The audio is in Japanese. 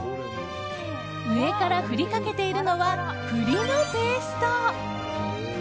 上から振りかけているのは栗のペースト。